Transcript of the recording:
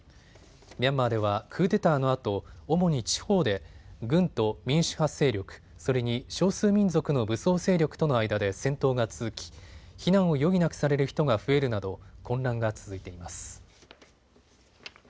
ミャンマーではクーデターのあと主に地方で軍と民主派勢力、それに少数民族の武装勢力との間で戦闘が続き避難を余儀なくされる人が増えるなど混乱が続いています。